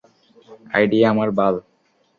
Idea আমার বাল!